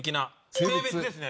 性別ですね